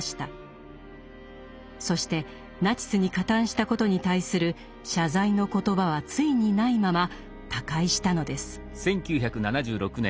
そしてナチスに加担したことに対する謝罪の言葉はついにないまま他界したのです。